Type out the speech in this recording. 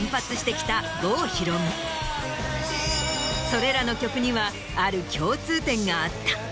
それらの曲にはある共通点があった！